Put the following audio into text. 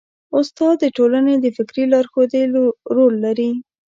استاد د ټولنې د فکري لارښودۍ رول لري.